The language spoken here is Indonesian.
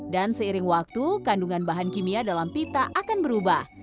dan seiring waktu kandungan bahan kimia dalam pita akan berubah